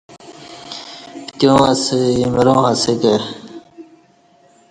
پتیان اسہ ایمرا اسہ کہ